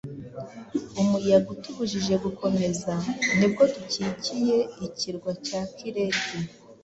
Umuyaga utubujije gukomeza, nibwo dukikiye ikirwa cya Kireti